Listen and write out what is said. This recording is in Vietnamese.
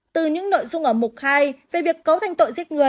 từ những nội dung ở mục hai về việc cấu thành tội